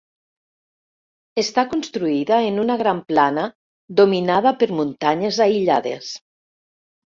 Està construïda en una gran plana dominada per muntanyes aïllades.